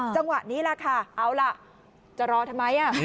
จังหวะนี้ล่ะค่ะเอาล่ะจะรอทำไม